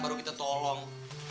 baru kita tolong